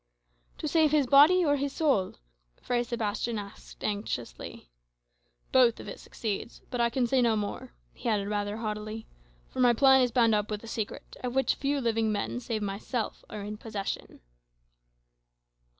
"To save his body or his soul?" Fray Sebastian asked anxiously. "Both, if it succeeds. But I can say no more," he added rather haughtily; "for my plan is bound up with a secret, of which few living men, save myself, are in possession."